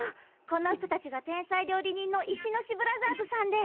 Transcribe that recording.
この人たちが天才料理人のイシノシブラザーズさんで。